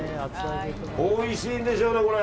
おいしいんでしょうね、これ。